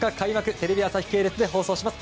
テレビ朝日系列で放送します。